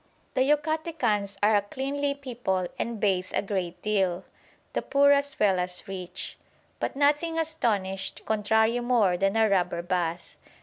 The Yucatecans are a cleanly people and bathe a great deal, the poor as well as rich; but nothing astonished Contrario more than our rubber bath.